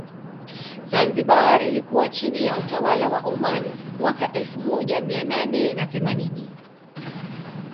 Zanzibar ilikuwa chini ya utawala wa Oman mwaka elfu moja mia nane na themanini